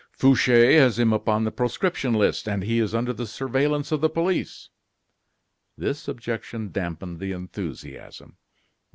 Fouche has him upon the proscription list, and he is under the surveillance of the police." This objection dampened the enthusiasm.